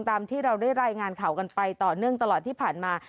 ตามที่เราได้รายงานข่าวกันไปต่อเนื่องตลอดที่ผ่านมา